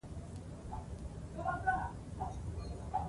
د ناروغۍ لپاره پیسې سپما کړئ.